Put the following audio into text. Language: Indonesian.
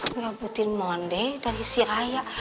dapetin moni dari si raya